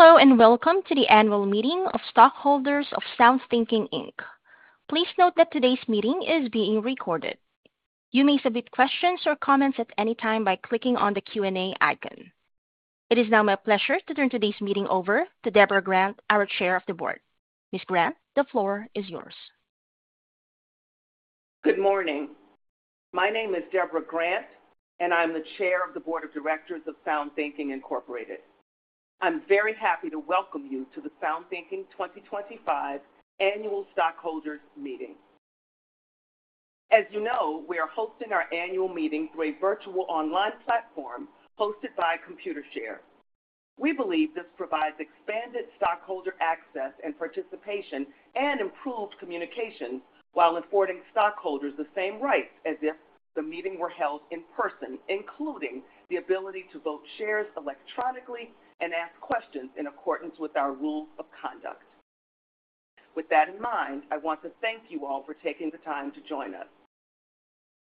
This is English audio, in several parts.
Hello and welcome to the annual meeting of stockholders of SoundThinking. Please note that today's meeting is being recorded. You may submit questions or comments at any time by clicking on the Q&A icon. It is now my pleasure to turn today's meeting over to Deborah Grant, our Chair of the Board. Ms. Grant, the floor is yours. Good morning. My name is Deborah Grant, and I'm the Chair of the Board of Directors of SoundThinking. I'm very happy to welcome you to the SoundThinking 2025 Annual Stockholders Meeting. As you know, we are hosting our annual meeting through a virtual online platform hosted by ComputerShare. We believe this provides expanded stockholder access and participation and improved communications while affording stockholders the same rights as if the meeting were held in person, including the ability to vote shares electronically and ask questions in accordance with our rules of conduct. With that in mind, I want to thank you all for taking the time to join us.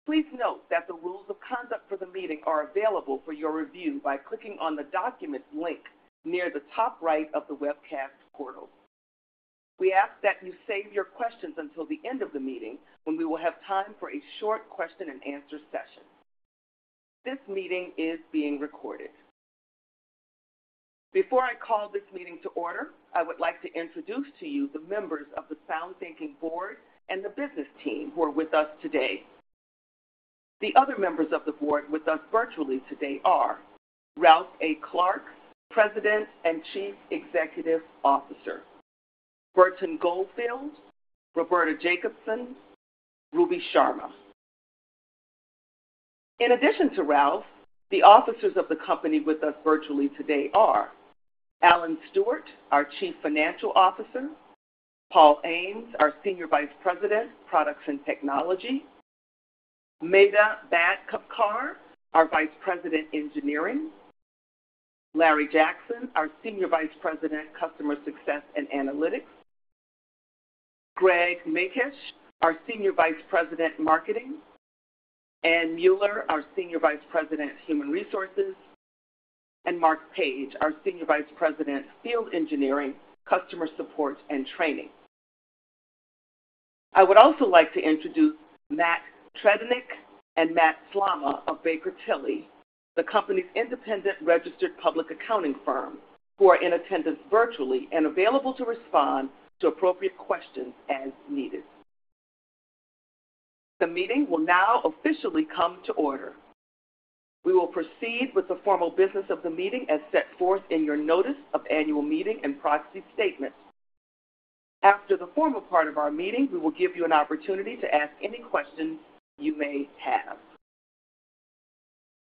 Please note that the rules of conduct for the meeting are available for your review by clicking on the document link near the top right of the webcast portal. We ask that you save your questions until the end of the meeting when we will have time for a short question-and-answer session. This meeting is being recorded. Before I call this meeting to order, I would like to introduce to you the members of the SoundThinking Board and the business team who are with us today. The other members of the Board with us virtually today are Ralph A. Clark, President and Chief Executive Officer, Burton Goldfield, Roberta Jacobson, Ruby Sharma. In addition to Ralph, the officers of the company with us virtually today are Alan Stewart, our Chief Financial Officer, Paul Ames, our Senior Vice President, Products and Technology, Medha Bhadkamkar, our Vice President, Engineering, Larry Jackson, our Senior Vice President, Customer Success and Analytics, Gregg Makuch, our Senior Vice President, Marketing, Anne Mueller, our Senior Vice President, Human Resources, and Mark Page, our Senior Vice President, Field Engineering, Customer Support and Training. I would also like to introduce Matt Tredinnick and Matt Slama of Baker Tilly, the company's independent registered public accounting firm, who are in attendance virtually and available to respond to appropriate questions as needed. The meeting will now officially come to order. We will proceed with the formal business of the meeting as set forth in your Notice of Annual Meeting and Proxy Statement. After the formal part of our meeting, we will give you an opportunity to ask any questions you may have.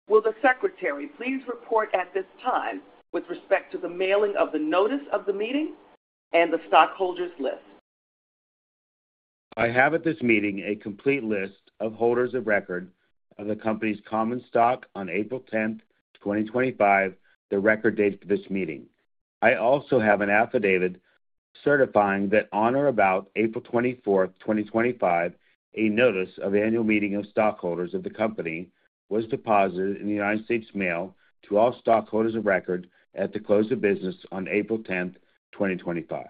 Will the Secretary please report at this time with respect to the mailing of the Notice of the Meeting and the stockholders' list? I have at this meeting a complete list of holders of record of the company's common stock on April 10, 2025, the record date of this meeting. I also have an affidavit certifying that on or about April 24, 2025, a Notice of Annual Meeting of Stockholders of the company was deposited in the United States mail to all stockholders of record at the close of business on April 10, 2025.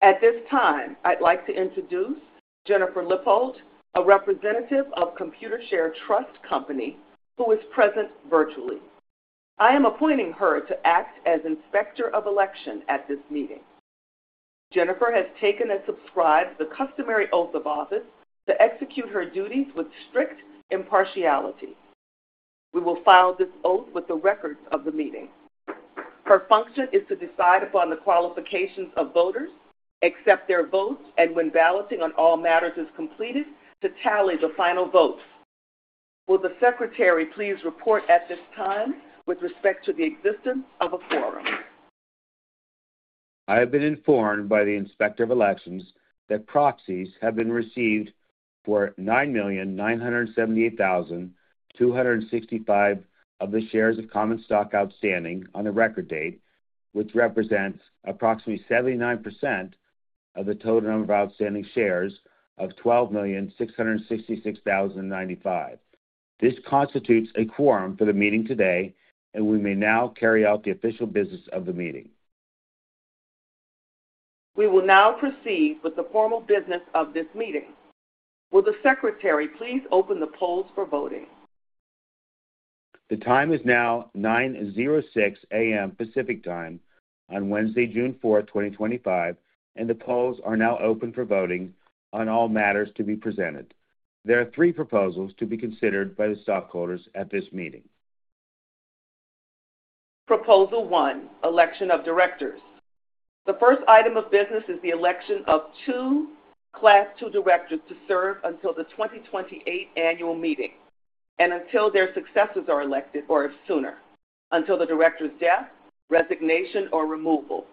At this time, I'd like to introduce Jennifer Lippold, a representative of ComputerShare Trust Company who is present virtually. I am appointing her to act as Inspector of Election at this meeting. Jennifer has taken and subscribed the customary oath of office to execute her duties with strict impartiality. We will file this oath with the records of the meeting. Her function is to decide upon the qualifications of voters, accept their votes, and when balloting on all matters is completed, to tally the final votes. Will the Secretary please report at this time with respect to the existence of a quorum? I have been informed by the Inspector of Election that proxies have been received for 9,978,265 of the shares of common stock outstanding on the record date, which represents approximately 79% of the total number of outstanding shares of 12,666,095. This constitutes a quorum for the meeting today, and we may now carry out the official business of the meeting. We will now proceed with the formal business of this meeting. Will the Secretary please open the polls for voting? The time is now 9:06 A.M. Pacific Time on Wednesday, June 4, 2025, and the polls are now open for voting on all matters to be presented. There are three proposals to be considered by the stockholders at this meeting. Proposal 1, election of directors. The first item of business is the election of two Class 2 directors to serve until the 2028 Annual Meeting and until their successors are elected or sooner, until the director's death, resignation, or removal.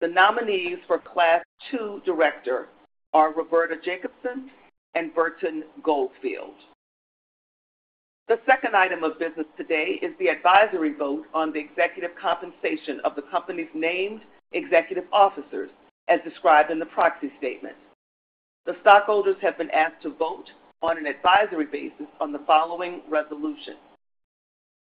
The nominees for Class 2 director are Roberta Jacobson and Burton Goldfield. The second item of business today is the advisory vote on the executive compensation of the company's named executive officers, as described in the proxy statement. The stockholders have been asked to vote on an advisory basis on the following resolution: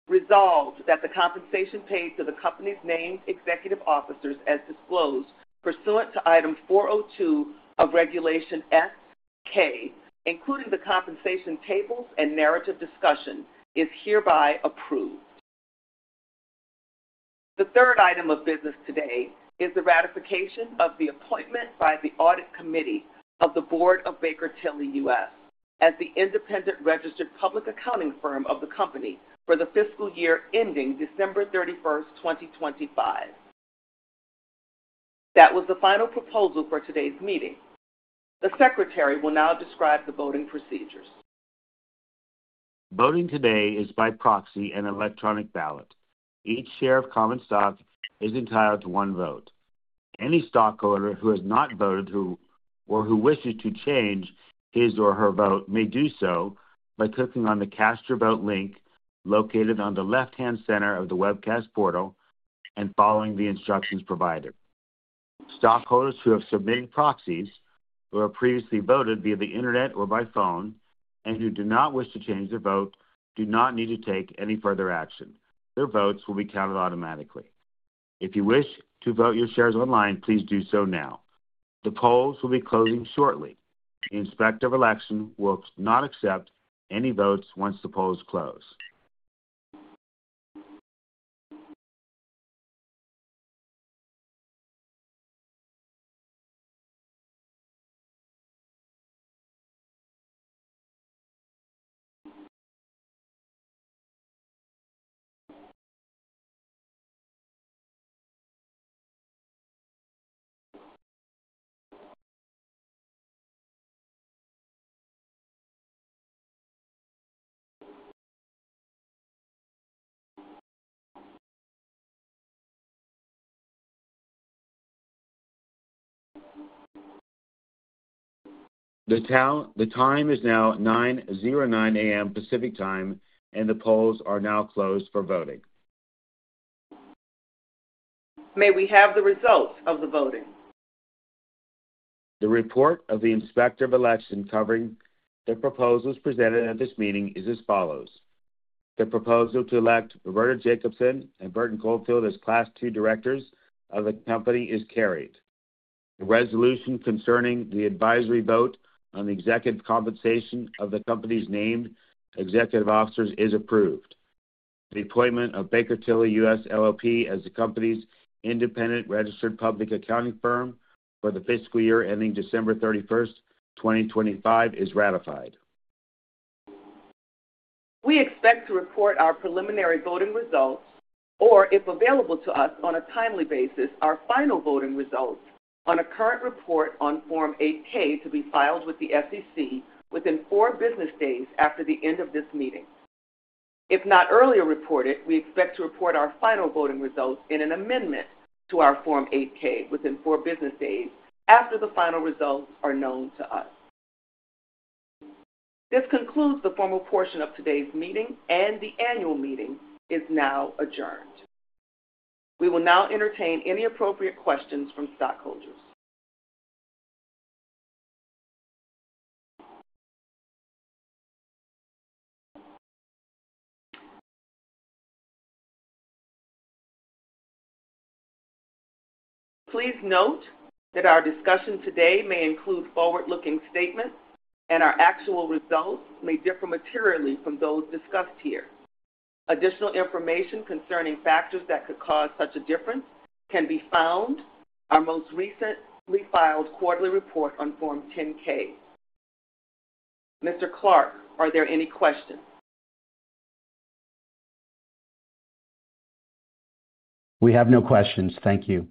resolved that the compensation paid to the company's named executive officers, as disclosed pursuant to Item 402 of Regulation S-K, including the compensation tables and narrative discussion, is hereby approved. The third item of business today is the ratification of the appointment by the Audit Committee of the Board of Baker Tilly, U.S., as the independent registered public accounting firm of the company for the fiscal year ending December 31, 2025. That was the final proposal for today's meeting. The Secretary will now describe the voting procedures. Voting today is by proxy and electronic ballot. Each share of common stock is entitled to one vote. Any stockholder who has not voted or who wishes to change his or her vote may do so by clicking on the Cast Your Vote link located on the left-hand center of the webcast portal and following the instructions provided. Stockholders who have submitted proxies or have previously voted via the internet or by phone and who do not wish to change their vote do not need to take any further action. Their votes will be counted automatically. If you wish to vote your shares online, please do so now. The polls will be closing shortly. The Inspector of Election will not accept any votes once the polls close. The time is now 9:09 A.M. Pacific Time, and the polls are now closed for voting. May we have the results of the voting? The report of the Inspector of Election covering the proposals presented at this meeting is as follows. The proposal to elect Roberta Jacobson and Burton Goldfield as Class 2 directors of the company is carried. The resolution concerning the advisory vote on the executive compensation of the company's named executive officers is approved. The appointment of Baker Tilly, U.S., LLP as the company's independent registered public accounting firm for the fiscal year ending December 31, 2025, is ratified. We expect to report our preliminary voting results or, if available to us on a timely basis, our final voting results on a current report on Form 8-K to be filed with the SEC within four business days after the end of this meeting. If not earlier reported, we expect to report our final voting results in an amendment to our Form 8-K within four business days after the final results are known to us. This concludes the formal portion of today's meeting, and the Annual Meeting is now adjourned. We will now entertain any appropriate questions from stockholders. Please note that our discussion today may include forward-looking statements, and our actual results may differ materially from those discussed here. Additional information concerning factors that could cause such a difference can be found in our most recently filed quarterly report on Form 10-K. Mr. Clark, are there any questions? We have no questions. Thank you.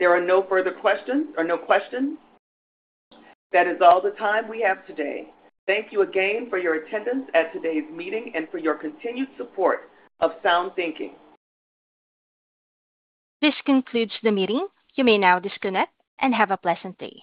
There are no further questions or no questions. That is all the time we have today. Thank you again for your attendance at today's meeting and for your continued support of SoundThinking. This concludes the meeting. You may now disconnect and have a pleasant day.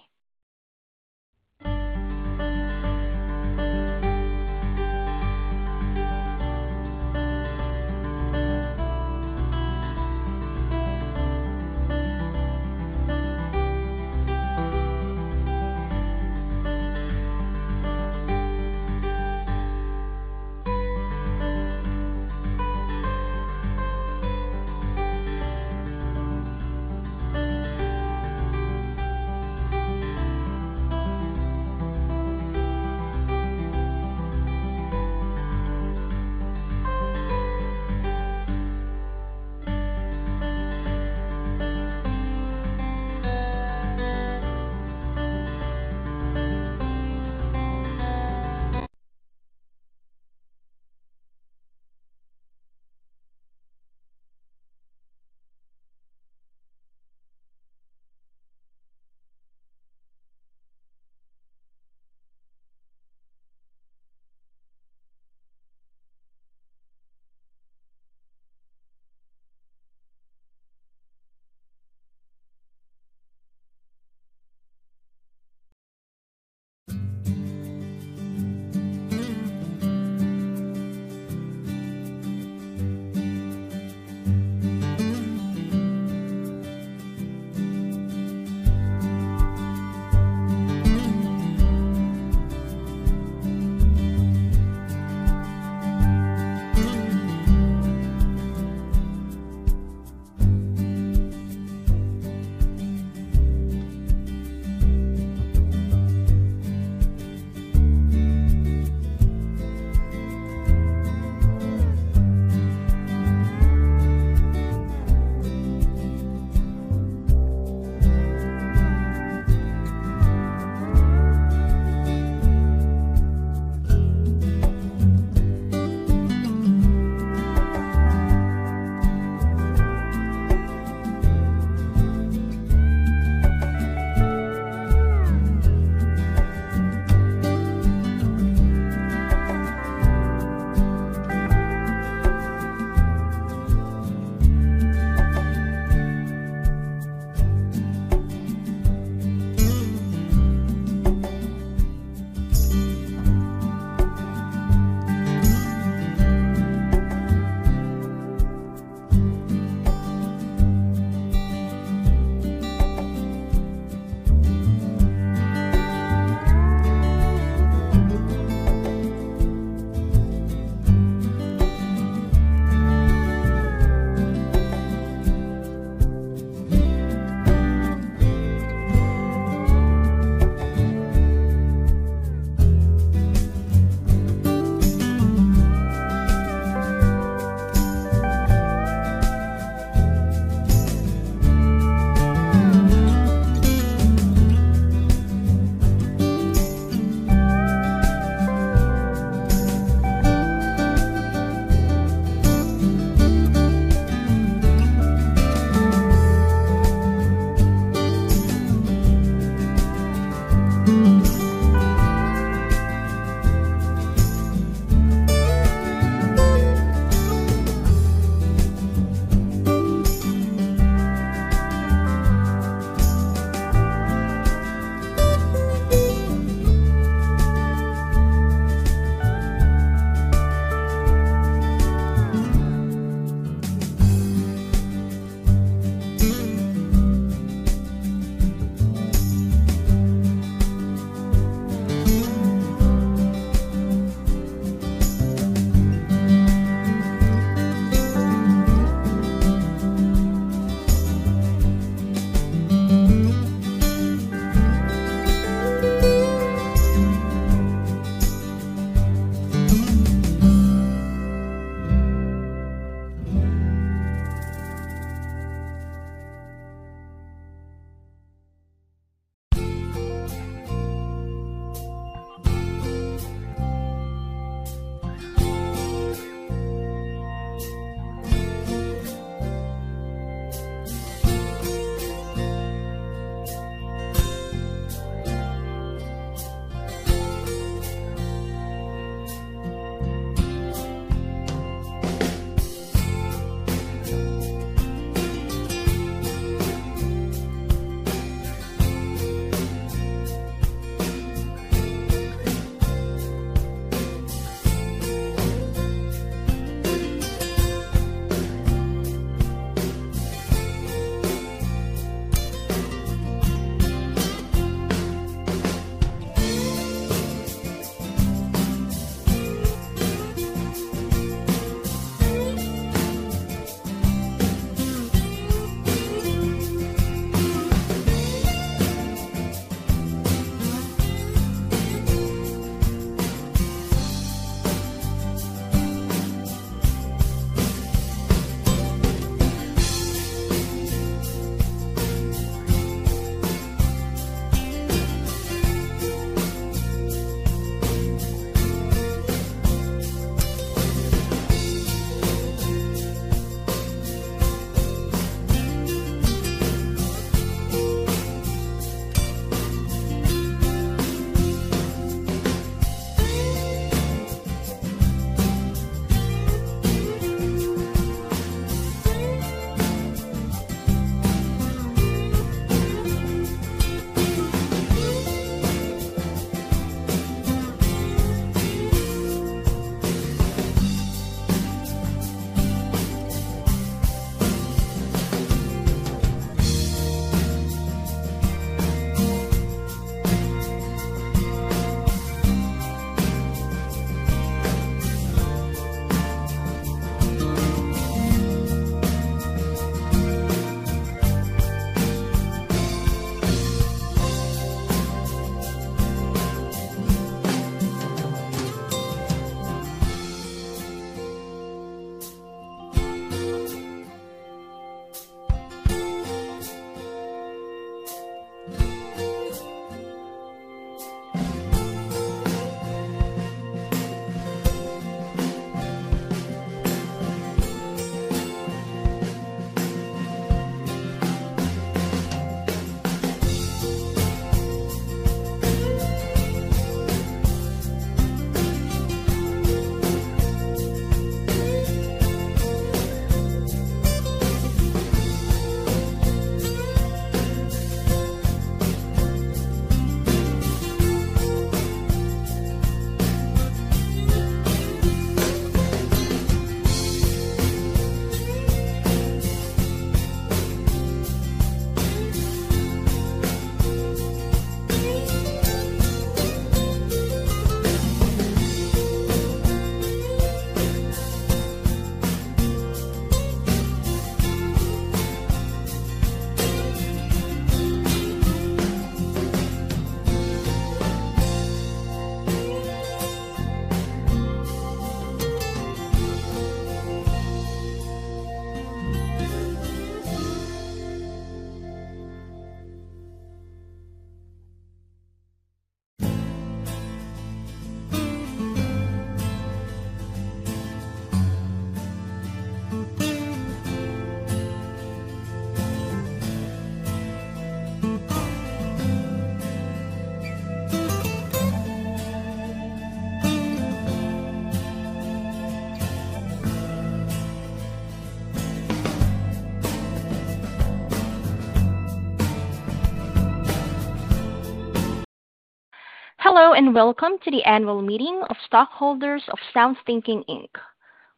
Hello and welcome to the Annual Meeting of Stockholders of SoundThinking.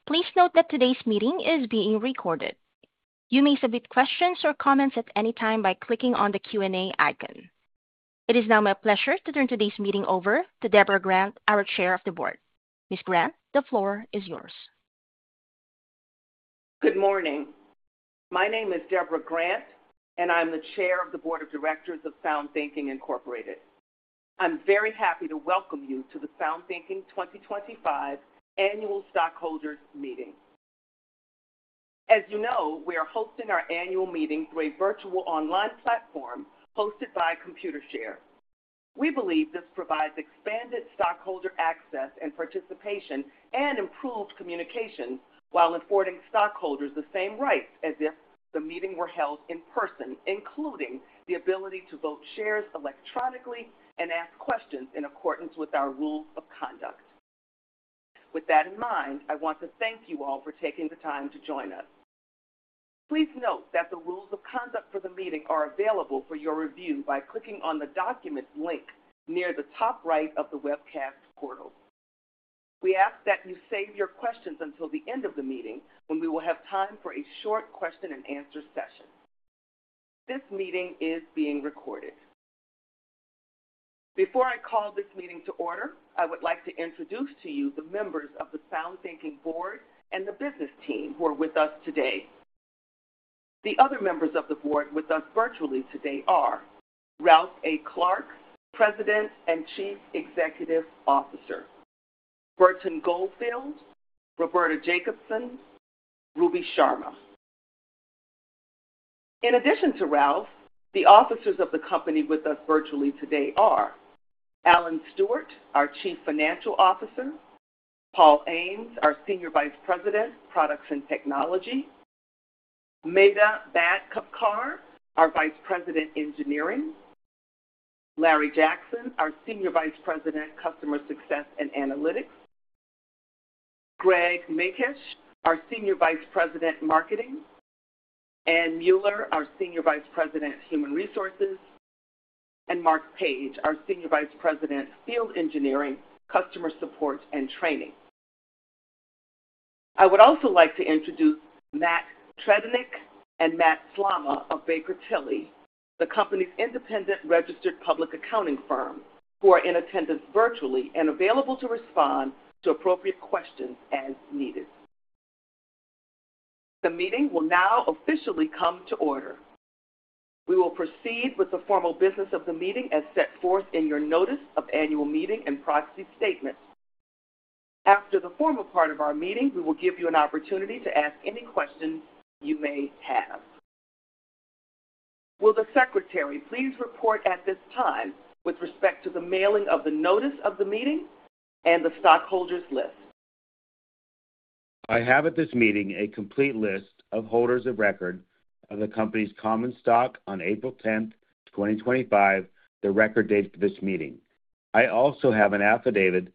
Please note that today's meeting is being recorded. You may submit questions or comments at any time by clicking on the Q&A icon. It is now my pleasure to turn today's meeting over to Deborah Grant, our Chair of the Board. Ms. Grant, the floor is yours. Good morning. My name is Deborah Grant, and I'm the Chair of the Board of Directors of SoundThinking. I'm very happy to welcome you to the SoundThinking 2025 Annual Stockholders Meeting. As you know, we are hosting our Annual Meeting through a virtual online platform hosted by ComputerShare. We believe this provides expanded stockholder access and participation and improved communications while affording stockholders the same rights as if the meeting were held in person, including the ability to vote shares electronically and ask questions in accordance with our rules of conduct. With that in mind, I want to thank you all for taking the time to join us. Please note that the rules of conduct for the meeting are available for your review by clicking on the document link near the top right of the webcast portal. We ask that you save your questions until the end of the meeting when we will have time for a short question-and-answer session. This meeting is being recorded. Before I call this meeting to order, I would like to introduce to you the members of the SoundThinking Board and the business team who are with us today. The other members of the Board with us virtually today are Ralph A. Clark, President and Chief Executive Officer, Burton Goldfield, Roberta Jacobson, Ruby Sharma. In addition to Ralph, the officers of the company with us virtually today are Alan Stewart, our Chief Financial Officer, Paul Ames, our Senior Vice President, Products and Technology, Medha Bhadkamkar, our Vice President, Engineering, Larry Jackson, our Senior Vice President, Customer Success and Analytics, Gregg Makuch, our Senior Vice President, Marketing, Anne Mueller, our Senior Vice President, Human Resources, and Mark Page, our Senior Vice President, Field Engineering, Customer Support and Training. I would also like to introduce Matt Tredinnick and Matt Slama of Baker Tilly, the company's independent registered public accounting firm, who are in attendance virtually and available to respond to appropriate questions as needed. The meeting will now officially come to order. We will proceed with the formal business of the meeting as set forth in your Notice of Annual Meeting and Proxy Statement. After the formal part of our meeting, we will give you an opportunity to ask any questions you may have. Will the Secretary please report at this time with respect to the mailing of the Notice of the Meeting and the stockholders' list? I have at this meeting a complete list of holders of record of the company's common stock on April 10, 2025, the record date of this meeting. I also have an affidavit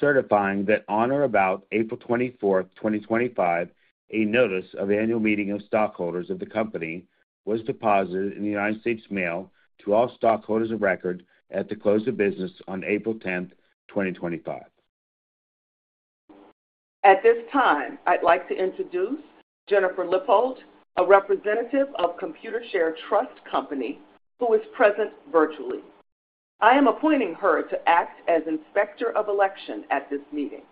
certifying that on or about April 24, 2025, a Notice of Annual Meeting of stockholders of the company was deposited in the United States mail to all stockholders of record at the close of business on April 10, 2025. At this time, I'd like to introduce Jennifer Lippold, a representative of ComputerShare Trust Company who is present virtually. I am appointing her to act as Inspector of Election at this meeting.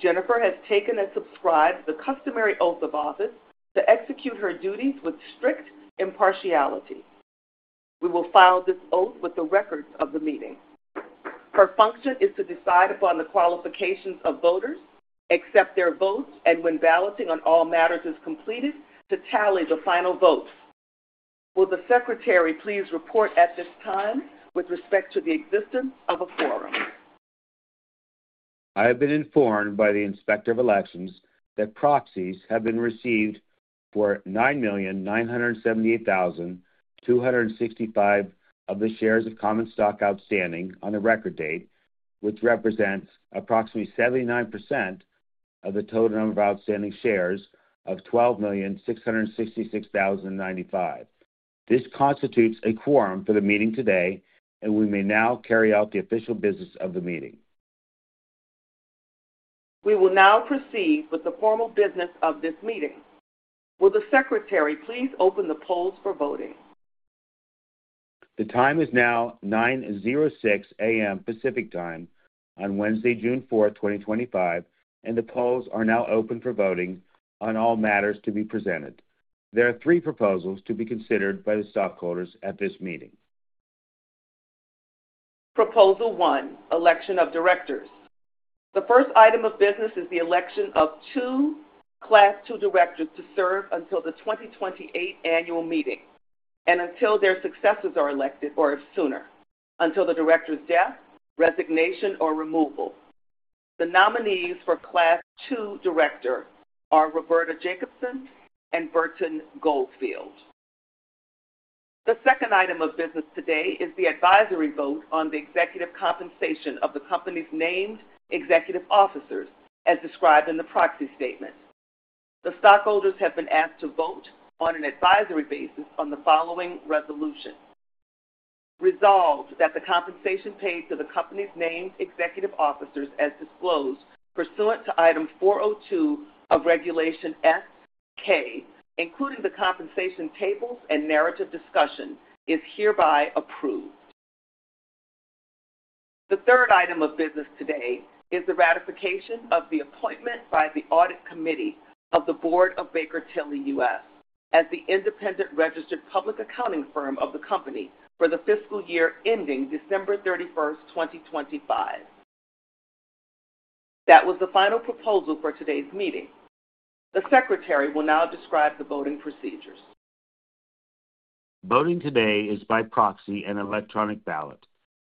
Jennifer has taken and subscribed the customary oath of office to execute her duties with strict impartiality. We will file this oath with the records of the meeting. Her function is to decide upon the qualifications of voters, accept their votes, and when balloting on all matters is completed, to tally the final votes. Will the Secretary please report at this time with respect to the existence of a quorum? I have been informed by the Inspector of Election that proxies have been received for 9,978,265 of the shares of common stock outstanding on the record date, which represents approximately 79% of the total number of outstanding shares of 12,666,095. This constitutes a quorum for the meeting today, and we may now carry out the official business of the meeting. We will now proceed with the formal business of this meeting. Will the Secretary please open the polls for voting? The time is now 9:06 A.M. Pacific Time on Wednesday, June 4, 2025, and the polls are now open for voting on all matters to be presented. There are three proposals to be considered by the stockholders at this meeting. Proposal 1: Election of Directors. The first item of business is the election of two Class 2 directors to serve until the 2028 Annual Meeting and until their successors are elected or if sooner, until the director's death, resignation, or removal. The nominees for Class 2 director are Roberta Jacobson and Burton Goldfield. The second item of business today is the advisory vote on the executive compensation of the company's named executive officers, as described in the proxy statement. The stockholders have been asked to vote on an advisory basis on the following resolution: Resolved that the compensation paid to the company's named executive officers, as disclosed pursuant to Item 402 of Regulation S-K, including the compensation tables and narrative discussion, is hereby approved. The third item of business today is the ratification of the appointment by the Audit Committee of the Board of Baker Tilly, U.S., as the independent registered public accounting firm of the company for the fiscal year ending December 31, 2025. That was the final proposal for today's meeting. The Secretary will now describe the voting procedures. Voting today is by proxy and electronic ballot.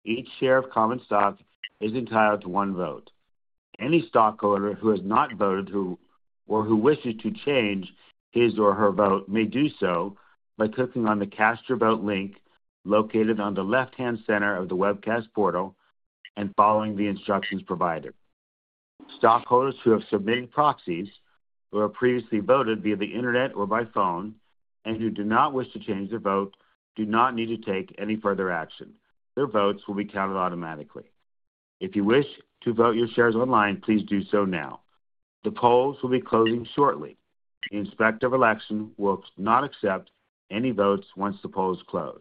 Each share of common stock is entitled to one vote. Any stockholder who has not voted or who wishes to change his or her vote may do so by clicking on the Cast Your Vote link located on the left-hand center of the webcast portal and following the instructions provided. Stockholders who have submitted proxies, who have previously voted via the internet or by phone and who do not wish to change their vote, do not need to take any further action. Their votes will be counted automatically. If you wish to vote your shares online, please do so now. The polls will be closing shortly. The Inspector of Election will not accept any votes once the polls close.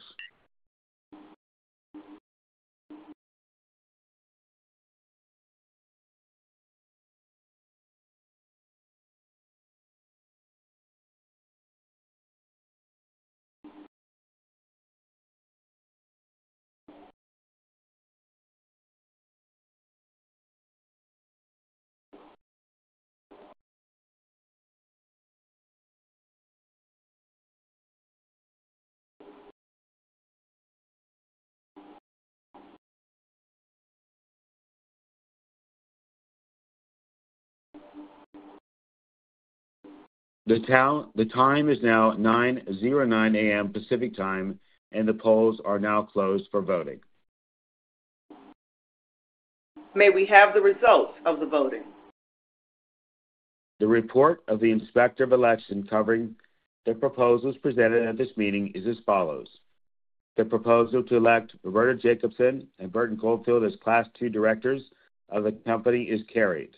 The time is now 9:09 A.M. Pacific Time, and the polls are now closed for voting. May we have the results of the voting? The report of the Inspector of Election covering the proposals presented at this meeting is as follows. The proposal to elect Roberta Jacobson and Burton Goldfield as Class 2 directors of the company is carried.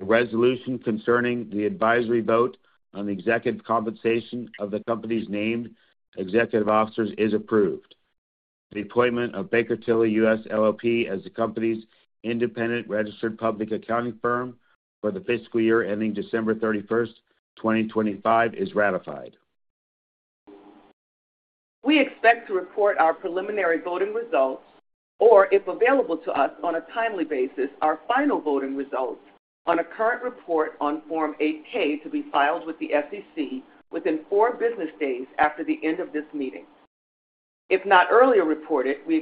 The resolution concerning the advisory vote on the executive compensation of the company's named executive officers is approved. The appointment of Baker Tilly, U.S., LLP as the company's independent registered public accounting firm for the fiscal year ending December 31, 2025, is ratified. We expect to report our preliminary voting results or, if available to us on a timely basis, our final voting results on a current report on Form 8-K to be filed with the SEC within four business days after the end of this meeting. If not earlier reported, we.